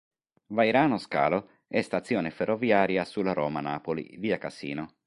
Vairano Scalo è stazione ferroviaria sulla Roma-Napoli, via Cassino.